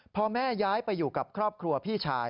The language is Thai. พอแม่ย้ายไปอยู่กับครอบครัวพี่ชาย